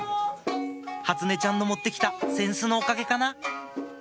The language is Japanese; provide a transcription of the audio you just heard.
初音ちゃんの持ってきた扇子のおかげかな